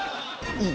いい。